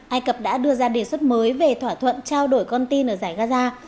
ai cập đã đưa ra đề xuất mới về thỏa thuận trao đổi con tin ở giải gaza